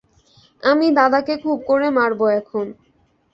আমি দাদাকে খুব করে মারব এখন।